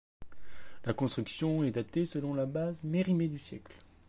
La construction est datée selon la base Mérimée du siècle.